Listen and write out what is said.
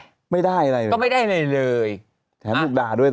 ก็ไม่ได้อะไรเลย